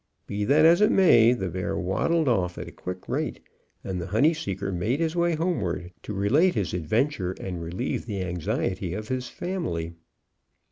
Be that as it may, the bear waddled off at a quick rate, and the honey seeker made his way homeward, to relate his adventure, and relieve the anxiety of his family.